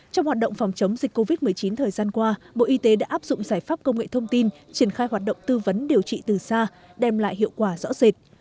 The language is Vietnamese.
trong hoạt động phòng chống dịch covid một mươi chín thời gian qua bộ y tế đã áp dụng giải pháp công nghệ thông tin triển khai hoạt động tư vấn điều trị từ xa đem lại hiệu quả rõ rệt